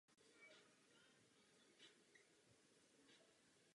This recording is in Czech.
Sama také napsala odbornou příručku o pamětních mincích vydaných za vlády Marie Terezie.